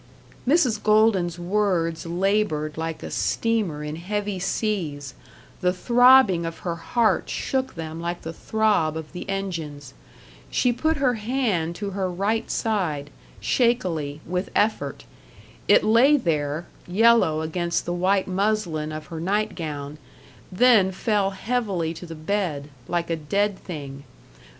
Mrs. Golden's words labored like a steamer in heavy seas; the throbbing of her heart shook them like the throb of the engines. She put her hand to her right side, shakily, with effort. It lay there, yellow against the white muslin of her nightgown, then fell heavily to the bed, like a dead thing.